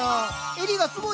襟がすごいよ。